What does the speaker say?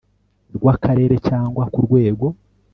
rw akarere cyangwa ku rwego